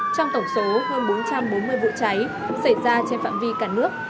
trong tổng số hơn bốn trăm bốn mươi vụ cháy xảy ra trên phạm vi cả nước